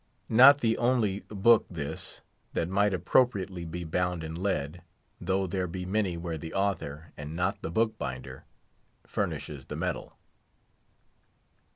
Not the only book this, that might appropriately be bound in lead, though there be many where the author, and not the bookbinder, furnishes the metal.